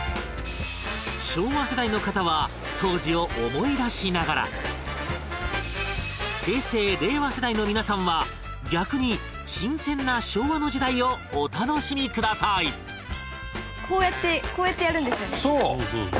昭和世代の方は当時を思い出しながら平成、令和世代の皆さんは逆に新鮮な昭和の時代をお楽しみください芦田：こうやってこうやってやるんですよね。